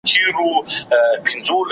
باید د ټولنیزو حقایقو منطقي ارزونه وشي.